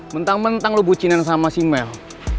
mentang mentang lo bucinan sama si mel